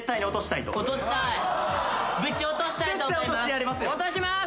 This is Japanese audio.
ぶち落としたいと思います。